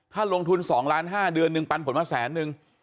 ถ้าลงทุน๒ล้าน๕เดือนนึงปันผลมาแสนนึง